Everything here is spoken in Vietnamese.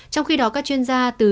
trong khi đó các chuyên gia từ